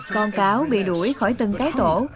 con cáo bị đuổi khỏi từng cái tổ